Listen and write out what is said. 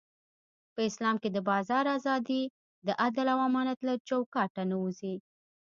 په اسلام کې د بازار ازادي د عدل او امانت له چوکاټه نه وځي.